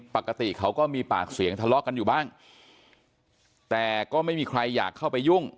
ปกติเขาก็มีปากเสียงทะเลาะกันอยู่บ้างแต่ก็ไม่มีใครอยากเข้าไปยุ่ง